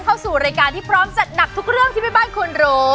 เข้าสู่รายการที่พร้อมจัดหนักทุกเรื่องที่แม่บ้านควรรู้